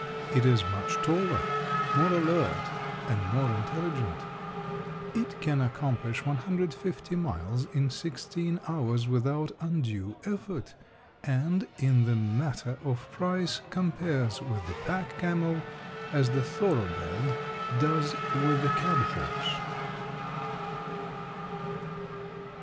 It is much taller, more alert and more intelligent. It can accomplish 150 miles in sixteen hours without undue effort, and, in the matter of price, compares with the pack camel as the thoroughbred does with the cab horse.